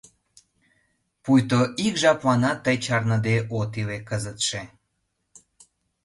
Пуйто ик жапланат тый чарныде от иле кызытше!